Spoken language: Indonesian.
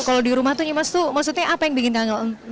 kalau di rumah tuh nyimas tuh maksudnya apa yang bikin kangen